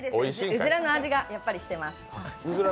うずらの味が、やっぱりしています。